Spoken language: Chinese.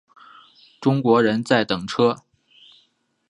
中国人在等车